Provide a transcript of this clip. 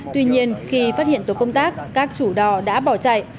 tuy nhiên khi phát hiện tổ công tác các chủ đò đã bỏ chạy